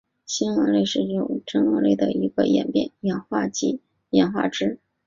新鳄类是中真鳄类的一个演化支。